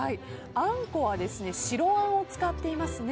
あんこは白あんを使っていますね。